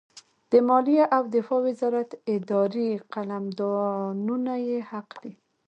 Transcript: د مالیې او دفاع وزارت اداري قلمدانونه یې حق دي.